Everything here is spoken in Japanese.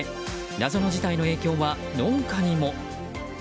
謎の事態の影響は農家にも。